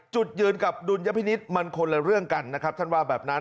จุดยืนกับดุลยพินิษฐ์มันคนละเรื่องกันนะครับท่านว่าแบบนั้น